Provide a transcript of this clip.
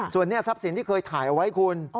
ส่วนนี้ทรัพย์สินที่เคยถ่ายเอาไว้คุณ